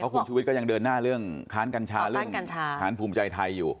คุณชุวิตก็ยังเดินหน้าเรื่องค้านกัญชาเรื่องค้านภูมิใจไทยอยู่